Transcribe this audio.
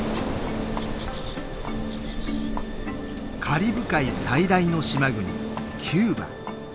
カリブ海最大の島国キューバ。